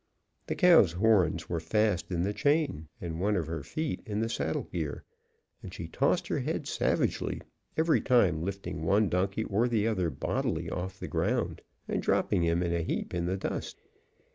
The cow's horns were fast in the chain and one of her feet in the saddle gear; and she tossed her head savagely, every time lifting one donkey or the other bodily off the ground and dropping him in a heap in the dust.